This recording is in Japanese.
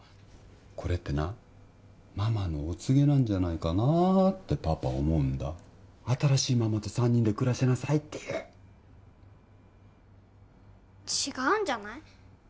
これってなママのお告げなんじゃないかなあってパパ思うんだ新しいママと３人で暮らしなさいっていう違うんじゃない？